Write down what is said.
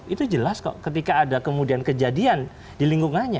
itu jelas kok ketika ada kemudian kejadian di lingkungannya